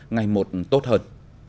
ngày một tốt hơn